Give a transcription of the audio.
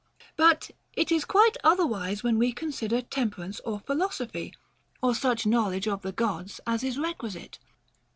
But it is quite otherwise when we consider temperance or philosophy, or such knowledge of the Gods as is requisite.